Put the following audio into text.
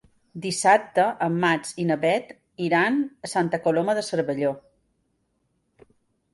Dissabte en Max i na Bet iran a Santa Coloma de Cervelló.